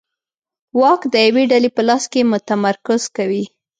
واک د یوې ډلې په لاس کې متمرکز کوي